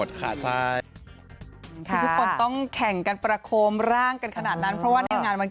ตอนเย็นแม่อ้ำเขาจะออกงาน